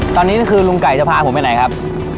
ตอนนี้คือลุงไก่จะพาผมไปไหนครับ